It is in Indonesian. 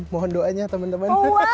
mohon doanya teman teman